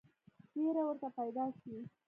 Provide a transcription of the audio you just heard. وېره ورته پیدا شي.